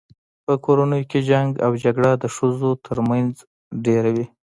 په کورونو کي جنګ او جګړه د ښځو تر منځ ډیره وي